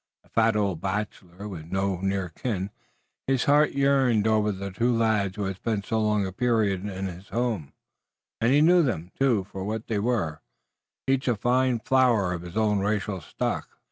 A fat old bachelor, with no near kin, his heart yearned over the two lads who had spent so long a period in his home, and he knew them, too, for what they were, each a fine flower of his own racial stock.